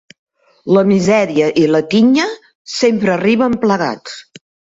La misèria i la tinya sempre arriben plegats.